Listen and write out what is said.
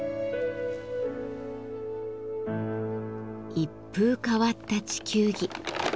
一風変わった地球儀。